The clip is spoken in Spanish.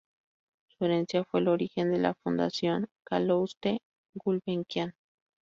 Su herencia fue el origen de la Fundación Calouste Gulbenkian.